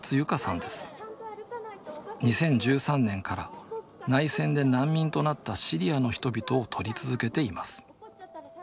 ２０１３年から内戦で難民となったシリアの人々を撮り続けています。